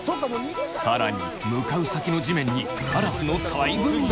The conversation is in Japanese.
更に向かう先の地面にカラスの大群が！